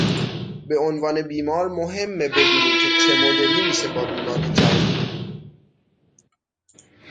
به عنوان بیمار مهمه بدونیم که چه مدلی میشه با بیماری جنگید